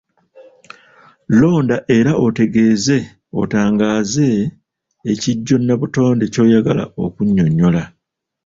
Londa era otegeeze otangaaze ekijjo nnabutonde ky’oyagala okunnyonnyola.